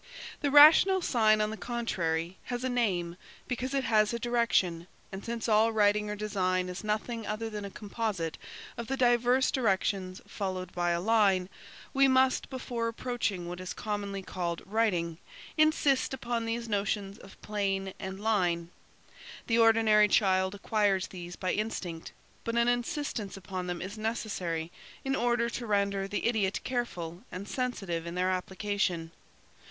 "The rational sign, on the contrary, has a name because it has a direction and since all writing or design is nothing other than a composite of the diverse directions followed by a line, we must, before approaching what is commonly called writing, insist upon these notions of plane and line. The ordinary child acquires these by instinct, but an insistence upon them is necessary in order to render the idiot careful and sensitive in their application.